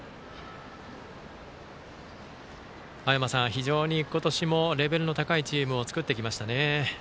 非常に今年もレベルの高いチーム作ってきましたね。